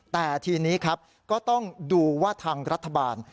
แต่ทีนี้ครับก็ต้องดูว่าทางรัฐบาล